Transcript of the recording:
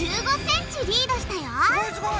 すごいすごい！